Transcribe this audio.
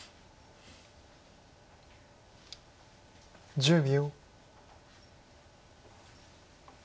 １０秒。